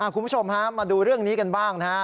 คุณผู้ชมฮะมาดูเรื่องนี้กันบ้างนะฮะ